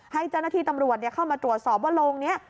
ให้เจ้าหน้าที่ตำรวจเข้ามาตรวจสอบว่าโรงนี้